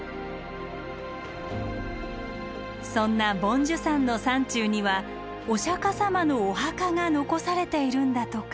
そんな梵珠山の山中にはお釈様のお墓が残されているんだとか。